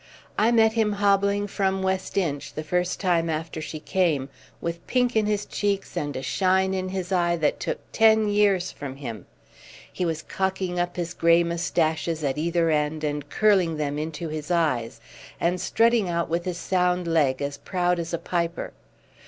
I met him hobbling from West Inch the first time after she came, with pink in his cheeks and a shine in his eye that took ten years from him. He was cocking up his grey moustaches at either end and curling them into his eyes, and strutting out with his sound leg as proud as a piper.